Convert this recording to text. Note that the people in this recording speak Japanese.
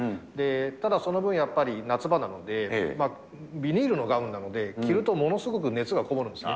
ただ、その分、やっぱり夏場なので、ビニールのガウンなので、着るとものすごく熱が籠もるんですね。